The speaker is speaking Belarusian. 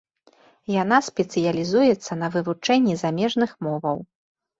Яна спецыялізуецца на вывучэнні замежных моваў.